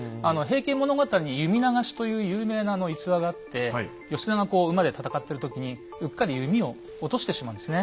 「平家物語」に「弓流し」という有名な逸話があって義経がこう馬で戦ってる時にうっかり弓を落としてしまうんですね。